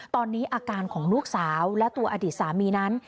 ตอนนี้อาการของลูกสาวและตัวอดีตสามีนั้น